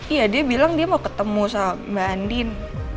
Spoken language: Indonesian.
iya dia bilang dia mau ketemu sama mbak andin